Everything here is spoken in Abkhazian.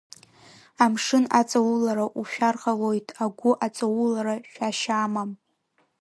Амшын аҵаулара ушәар ҟалоит, агәы аҵаулара шәашьа амам.